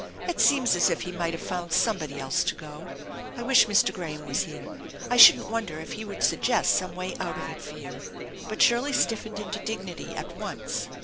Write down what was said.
It seems as if he might have found some body else to go. I wish Mr. Graham was here. I shouldn't wonder if he would suggest some way out of it for you." But Shirley stiffened into dignity at once.